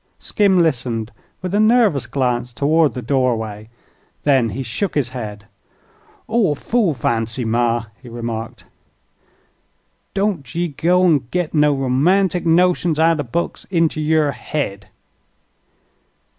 Skim listened, with a nervous glance toward the doorway. Then he shook his head. "All fool fancy, ma," he remarked. "Don't ye go an' git no rumantic notions out'n books inter yer head."